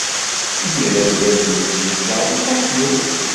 Imir-a, argaz-nnes yezdeɣ deg Tokyo.